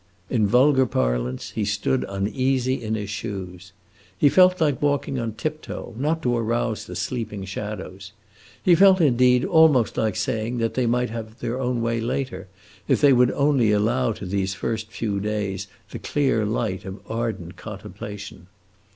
In vulgar parlance, he stood uneasy in his shoes. He felt like walking on tiptoe, not to arouse the sleeping shadows. He felt, indeed, almost like saying that they might have their own way later, if they would only allow to these first few days the clear light of ardent contemplation.